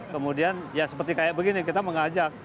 kemudian ya seperti kayak begini kita mengajak